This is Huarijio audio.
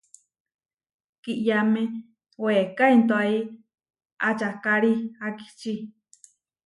Kiʼyáme weeká intóai ačakári akiči.